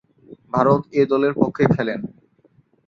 ভারত এ-দলের পক্ষে খেলেন।